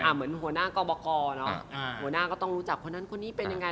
เหมือนหัวหน้ากรบกหัวหน้าก็ต้องรู้จักคนนั้นคนนี้เป็นยังไง